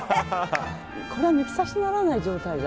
これは抜き差しならない状態だ。